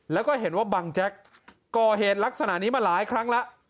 แล้วก็เห็นว่าบังแจ๊กก่อเหตุลักษณะนี้มาหลายครั้งแล้ว